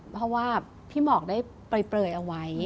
เพราะว่าพี่หมอกได้เปลยเอาไว้